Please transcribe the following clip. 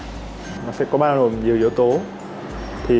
nó sẽ có bao nhiêu yếu tố